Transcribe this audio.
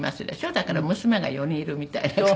だから娘が４人いるみたいな感じで。